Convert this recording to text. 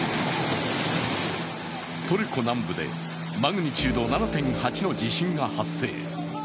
トルコ南部でマグニチュード７．８の地震が発生。